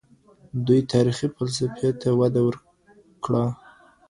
دوی تاریخي فلسفې ته وده ورکړه.